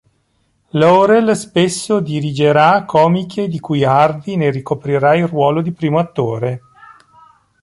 Laurel spesso dirigerà comiche di cui Hardy ne ricoprirà il ruolo di primo attore.